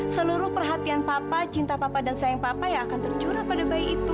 seluruh perhatian papa cinta papa dan sayang papa yang akan tercurah pada bayi itu